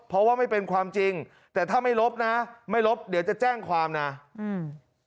เพราะว่าไม่เป็นความจริงแต่ถ้าไม่ลบนะไม่ลบเดี๋ยวจะแจ้งความนะอืม